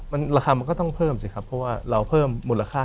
มันก็ต้องเพิ่มครับเพราะว่าเราเพิ่มมูลค่า